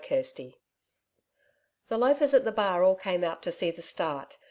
CHAPTER 6 The loafers at the bar all came out to see the start.